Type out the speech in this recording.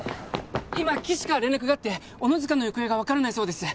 今岸から連絡があって小野塚の行方が分からないそうです